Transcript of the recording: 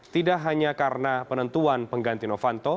tidak hanya karena penentuan pengganti novanto